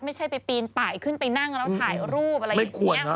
ไม่ใช่ไปปีนป่ายขึ้นไปนั่งแล้วถ่ายรูปอะไรอย่างนี้